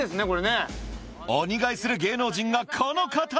これね鬼買いする芸能人がこの方！